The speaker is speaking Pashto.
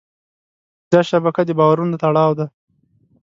دا شبکه د باورونو تړاو دی.